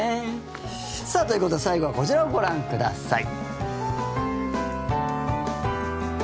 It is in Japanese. さあ、ということで最後はこちらをご覧ください。